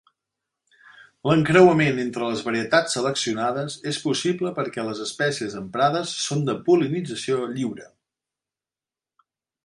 L'encreuament entre les varietats seleccionades és possible perquè les espècies emprades són de pol·linització lliure.